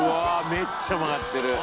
めっちゃ曲がってる」